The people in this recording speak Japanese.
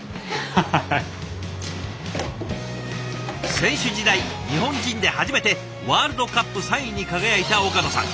選手時代日本人で初めてワールドカップ３位に輝いた岡野さん。